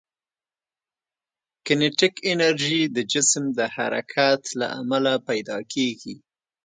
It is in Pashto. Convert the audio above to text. کینیتیک انرژي د جسم د حرکت له امله پیدا کېږي.